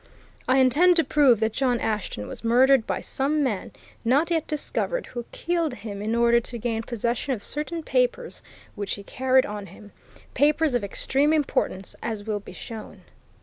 I intend to prove that John Ashton was murdered by some man not yet discovered, who killed him in order to gain possession of certain papers which he carried on him papers of extreme importance, as will be shown.